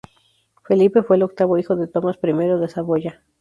Felipe fue el octavo hijo de Tomás I de Saboya.